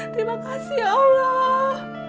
terima kasih allah